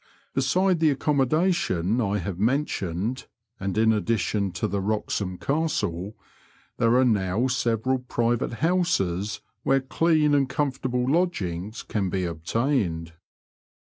Beside the accommodation I have mentioned (and in addition to the Wroxham Castle), there are now several private houses where clean and comfortable lodgings can be obtained.